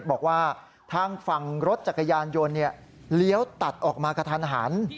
บอกว่าทางฝั่งรถจักรยานยนต์เลี้ยวตัดออกมากระทันหัน